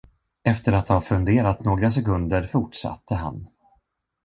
Efter att ha funderat några sekunder fortsatte han.